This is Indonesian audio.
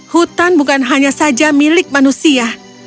hutan bukan hanya saja milik manusia